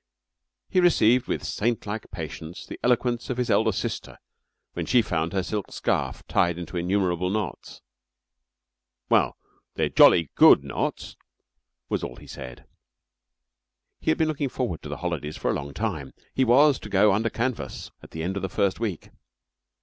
He received with saint like patience the eloquence of his elder sister when she found her silk scarf tied into innumerable knots. "Well, they're jolly good knots," was all he said. He had been looking forward to the holidays for a long time. He was to "go under canvas" at the end of the first week.